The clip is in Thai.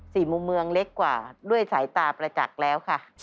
มุมเมืองเล็กกว่าด้วยสายตาประจักษ์แล้วค่ะ